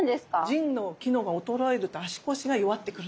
腎の機能が衰えると足腰が弱ってくるんです。